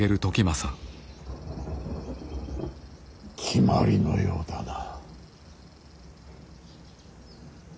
決まりのようだな。